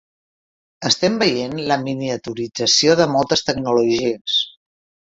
Estem veient la miniaturització de moltes tecnologies.